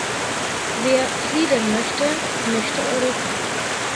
Wer Frieden möchte, möchte Europa.